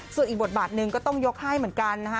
ส่วนอีกบทบาทหนึ่งก็ต้องยกให้เหมือนกันนะฮะ